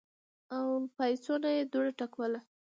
او پاينڅو نه دوړه ټکوهله